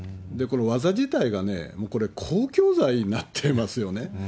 この技自体がね、もうこれ、公共財になってますよね。